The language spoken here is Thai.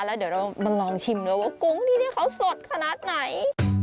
แล้วเดี๋ยวเรามาลองชิมด้วยว่ากุ้งที่นี่เขาสดขนาดไหน